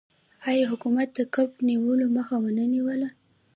آیا حکومت د کب نیولو مخه ونه نیوله؟